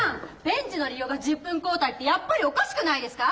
ベンチの利用が１０分交代ってやっぱりおかしくないですか？